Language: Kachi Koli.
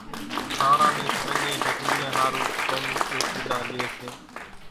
سانڻان نِي ترڃين ڍڳليان ۿارُو ترڃ ڏوڪيلا لئي سي،